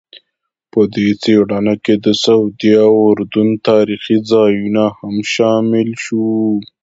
په دې څېړنه کې د سعودي او اردن تاریخي ځایونه هم شامل وو.